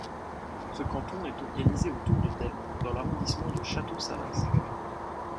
Ce canton est organisé autour de Delme dans l'arrondissement de Château-Salins.